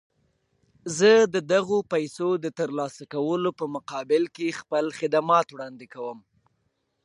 زه د دغو پيسو د ترلاسه کولو په مقابل کې خپل خدمات وړاندې کوم.